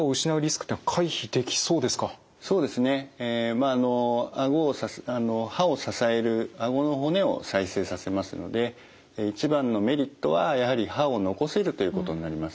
まああの歯を支えるあごの骨を再生させますので一番のメリットはやはり歯を残せるということになります。